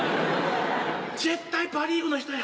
絶対パ・リーグの人や。